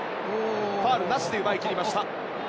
ファウルなしで奪い切りました。